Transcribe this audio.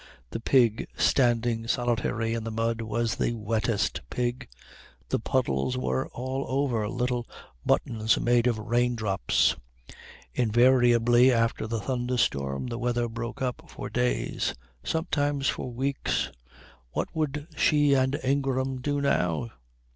The pig standing solitary in the mud was the wettest pig. The puddles were all over little buttons made of raindrops. Invariably after a thunderstorm the weather broke up for days, sometimes for weeks. What would she and Ingram do now?